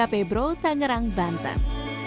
febro tangerang bantan